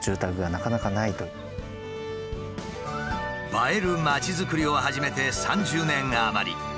映える町づくりを始めて３０年余り。